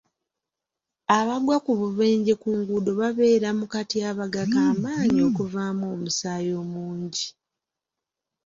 Abagwa ku bubenje ku nguudo babeera mu katyabaga ka maanyi okuvaamu omusaayi omungi.